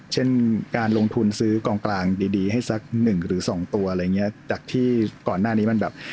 เช่นการลงทุนซื้อกองกลางดีดีให้สักหนึ่งหรือสองตัวอะไรอย่างเงี้ยจากที่ก่อนหน้านี้มันแบบ